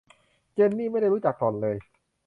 เจนนี่ไม่ได้รู้จักหล่อนเลย